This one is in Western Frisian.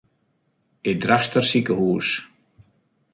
It Drachtster sikehûs.